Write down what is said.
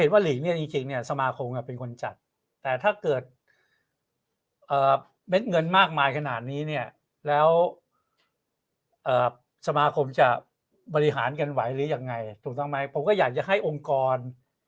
ว่าหลีกเนี่ยจริงเนี่ยสมาคมเป็นคนจัดแต่ถ้าเกิดเม็ดเงินมากมายขนาดนี้เนี่ยแล้วสมาคมจะบริหารกันไหวหรือยังไงถูกต้องไหมผมก็อยากจะให้องค์กร